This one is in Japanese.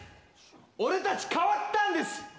俺たち、変わったんです。